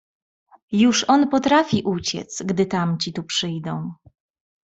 "Już on potrafi uciec, gdy tamci tu przyjdą."